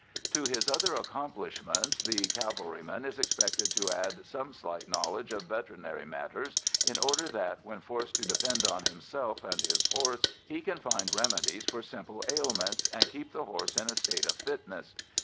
To his other accomplishments the cavalryman is expected to add some slight knowledge of veterinary matters, in order that, when forced to depend on himself and his horse, he can find remedies for simple ailments, and keep the horse in a state of fitness.